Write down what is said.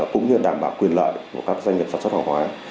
cũng như đảm bảo quyền lợi của các doanh nghiệp sản xuất hàng hóa